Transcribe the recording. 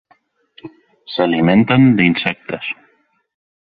S'alimenten d'insectes.